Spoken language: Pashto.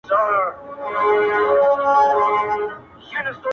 د الف لیله و لیله د کتاب د ریچارډ-